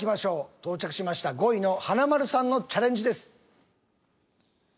到着しました５位の華丸さんのチャレンジです。